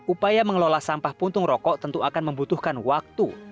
upaya mengelola sampah puntung rokok tentu akan membutuhkan waktu